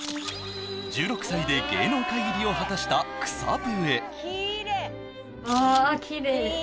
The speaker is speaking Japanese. １６歳で芸能界入りを果たした草笛